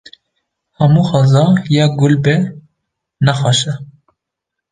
Hemû xweza yek gul be ne xweş e.